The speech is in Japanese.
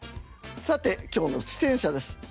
さて今日の出演者です。